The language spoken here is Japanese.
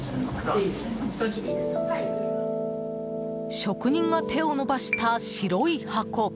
職人が手を伸ばした、白い箱。